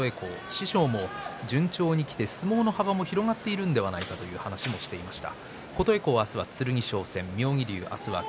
師匠も順調に稽古ができて幅が広がっているんじゃないかという話をしていました。